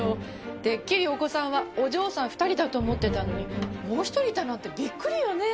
てっきりお子さんはお嬢さん２人だと思ってたのにもう一人いたなんてびっくりよねえ。